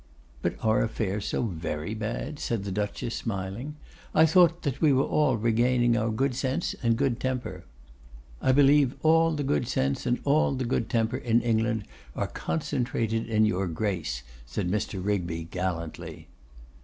'But are affairs so very bad?' said the Duchess, smiling. 'I thought that we were all regaining our good sense and good temper.' 'I believe all the good sense and all the good temper in England are concentrated in your Grace,' said Mr. Rigby, gallantly.